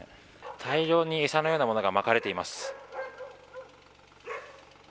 大量にエサのようなものがまかれています。